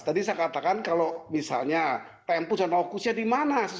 tadi saya katakan kalau misalnya tempus dan lokusnya dimana